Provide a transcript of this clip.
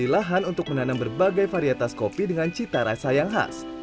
ini lahan untuk menanam berbagai varietas kopi dengan cita rasa yang khas